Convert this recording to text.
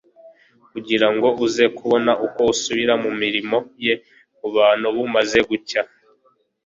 kugira ngo aze kubona uko asubira mu mirimo ye mu bantu bumaze gucya.